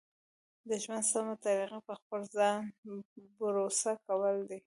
د ژوند سمه طریقه په خپل ځان بروسه کول دي.